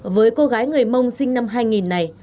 với cô gái người mông sinh năm hai nghìn này